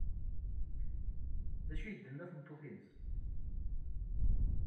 D acu ay d-tenna tmeṭṭut-nnes?